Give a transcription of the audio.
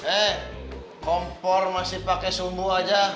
eh kompor masih pakai sumbu aja